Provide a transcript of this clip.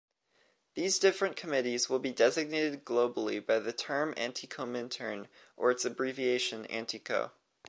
These different committees will be designated globally by the term Antikomintern or its abbreviation Antiko.